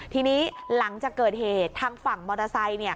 ทีนี้หลังจากเกิดเหตุทางฝั่งมอเตอร์ไซค์